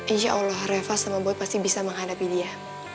insya allah reva sama boy pasti bisa menghadapi dia